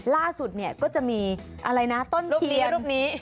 ล่าสุดก็จะมีต้นเทียนคุณลุง๒๐๑๙